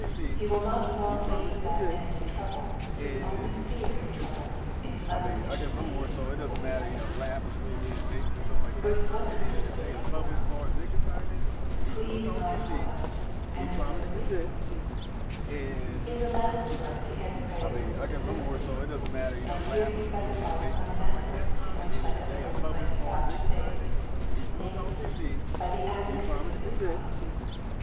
He will not long leave that man in trouble whose only fear in trouble is lest he should leave the way of right Digitized by VjOOQIC PSALM ONE HUNDKED AND NINETEEN — VERSES 153 TO IGO. 323 154. ^^ Plead my cause^ and deliver fn^." In the last verse he had prayed, "Deliver me,'' and here he specifies one method in which that deliverance might be vouchsafed, namely, by the advocacy of his cause.